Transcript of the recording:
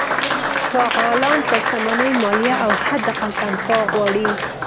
فعالان پر شتمنۍ مالیه او حداقل تنخوا غواړي.